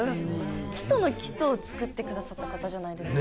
基礎の基礎を作ってくださった方じゃないですか。